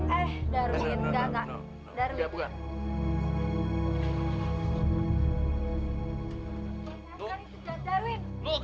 eh darwin enggak enggak